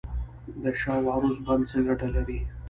د شاه و عروس بند څه ګټه لري؟